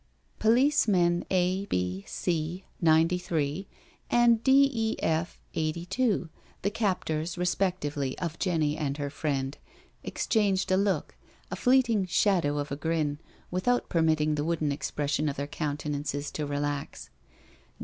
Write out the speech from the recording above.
Policemen A. B. C. 93 and D. £. F. 82, the captors respectively of Jenny and her friend, exchanged a look, a fleeting shadow of a grin, without permitting the wooden expression of their countenances to relax.